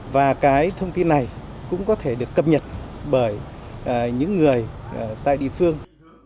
bản đồ này cũng có thể được cập nhật bởi những người tại địa phương